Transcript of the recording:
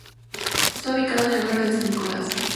Está ubicado en el barrio de San Nicolás.